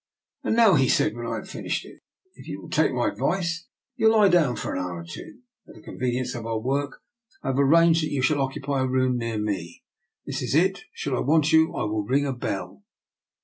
" And now," he said, when I had finished it, " if you will take my advice, you will lie down for an hour or two. For the conveni ence of our work, I have arranged that you shall occupy a room near me. This is it. Should I want you, I will ring a bell."